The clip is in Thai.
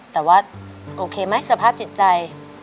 แต่ว่าโอเคไหมสภาพจิตใจ